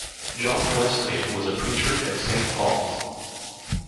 John Wesley was a preacher at Saint Paul's.